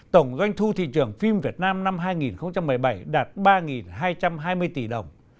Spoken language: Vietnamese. tổng doanh thu thị trường phim việt nam năm hai nghìn một mươi bảy đạt ba hai trăm hai mươi tỷ đồng